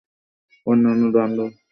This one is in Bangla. অন্যান্য ব্যান্ড তাড়াতাড়ি এটা অনুসরণ করে।